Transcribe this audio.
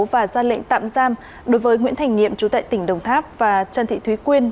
và ra lệnh tạm giam đối với nguyễn thành nhiệm chú tại tỉnh đồng tháp và trân thị thúy quyên